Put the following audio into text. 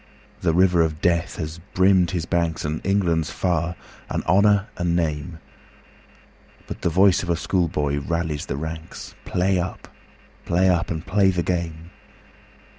The river of death has brimmed his banks, And England's far, and Honour a name, But the voice of schoolboy rallies the ranks, "Play up! play up! and play the game!"